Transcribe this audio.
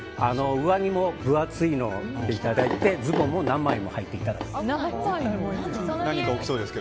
上着も分厚いのを着ていただいてズボンも何枚もはいていただく。